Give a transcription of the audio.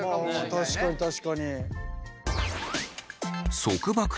確かに確かに。